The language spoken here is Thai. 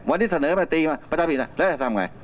วันนี้เสนอกันมาตีมาประชาปฏิบัติแล้วจะทำไง